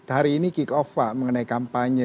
hari ini kick off pak mengenai kampanye